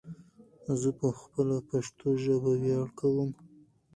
ځه په خپله پشتو ژبه ویاړ کوم